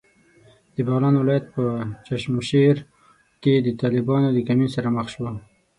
د بغلان ولایت په چشمشېر کې د طالبانو د کمین سره مخ شوو.